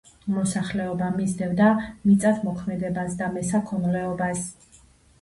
მოსახლეობა მისდევდა მიწათმოქმედებას და მესაქონლეობას.